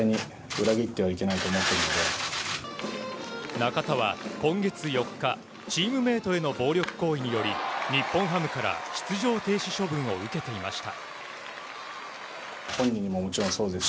中田は今月４日チームメートへの暴力行為により日本ハムから出場停止処分を受けていました。